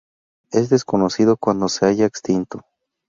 Es desconocido cuándo se haya extinto.